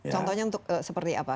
contohnya untuk seperti apa